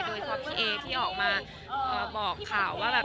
ด้วยเพราะพี่เอที่ออกมาบอกข่าวว่า